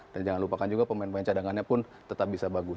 dan jangan lupakan juga pemain pemain cadangannya pun tetap bisa bagus